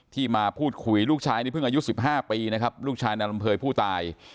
มาพูดคุยลูกชายนี่เพิ่งอายุ๑๕ปีนะครับลูกชายนายลำเภยผู้ตาย